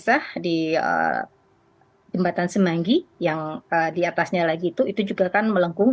kisah di jembatan semanggi yang diatasnya lagi itu itu juga kan melengkung